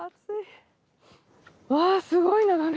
わあすごい眺め。